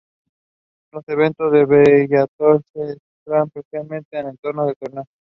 Los eventos de Bellator se estructuran principalmente en torno a los torneos.